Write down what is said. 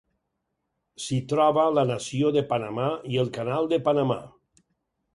S'hi troba la nació de Panamà i el canal de Panamà.